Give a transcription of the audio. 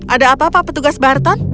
ada apa pak petugas barton